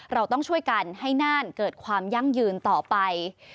เราต้องช่วยกันให้น่านเกิดความยั่งยืนต่อไป